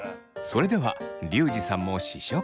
それではリュウジさんも試食。